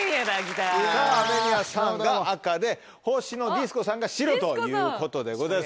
ＡＭＥＭＩＹＡさんが紅でほしのディスコさんが白ということでございます。